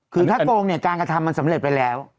คือถ้าโกงเนี่ยการกระทำมันสำเร็จไปแล้ว